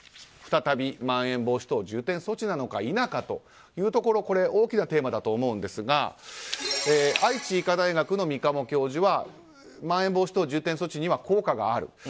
再び、まん延防止等重点措置なのか否かというところは大きなテーマだと思いますが愛知医科大学の三鴨教授はまん延防止等重点措置には効果がある。